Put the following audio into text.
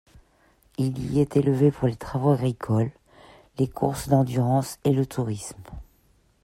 Il y est élevé pour les travaux agricoles, les courses d'endurance et le tourisme.